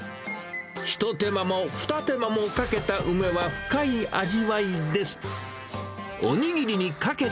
一手間も二手間もかけた梅は深い味わいです。